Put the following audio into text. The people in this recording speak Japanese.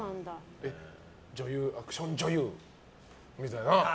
アクション女優みたいな。